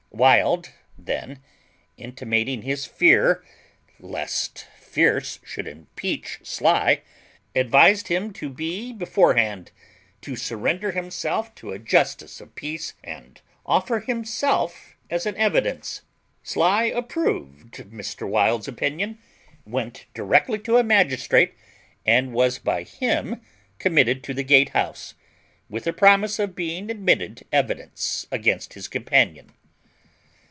Wild then, intimating his fear least Fierce should impeach Sly, advised him to be beforehand, to surrender himself to a justice of peace and offer himself as an evidence. Sly approved Mr. Wild's opinion, went directly to a magistrate, and was by him committed to the Gatehouse, with a promise of being admitted evidence against his companion.